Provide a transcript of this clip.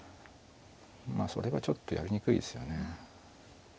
まあそれはちょっとやりにくいですよね。